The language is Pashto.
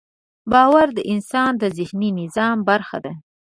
باور د انسان د ذهني نظام برخه ده.